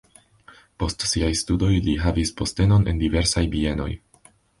Post siaj studoj li havis postenon en diversaj bienoj.